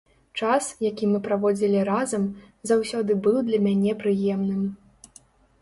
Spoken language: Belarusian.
Час, які мы праводзілі разам, заўсёды быў для мяне прыемным.